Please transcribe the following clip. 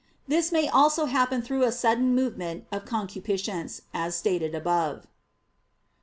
This may also happen through a sudden movement of concupiscence, as stated above.